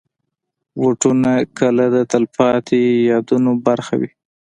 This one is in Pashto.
بوټونه کله د تلپاتې یادونو برخه وي.